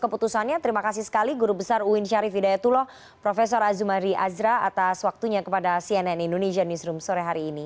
keputusannya terima kasih sekali guru besar uin syarif hidayatullah prof azumari azra atas waktunya kepada cnn indonesia newsroom sore hari ini